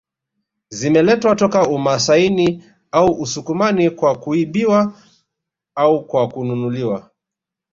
Zimeletwa toka umasaini au usukumani kwa kuibiwa au kwa kununuliwa